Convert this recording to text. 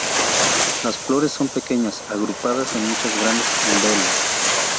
La flores son pequeñas, agrupadas en muchas grandes umbelas.